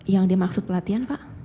yang dimaksud pelatihan pak